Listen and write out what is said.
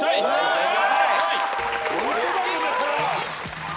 正解。